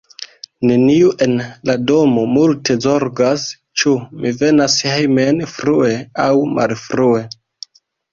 Neniu en la domo multe zorgas, ĉu mi venas hejmen frue aŭ malfrue.